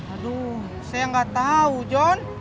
aduh saya gak tau jon